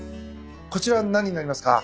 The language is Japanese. こちら何になりますか？